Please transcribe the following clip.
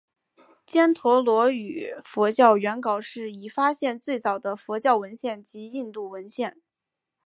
犍陀罗语佛教原稿是已发现最早的佛教文献及印度文献。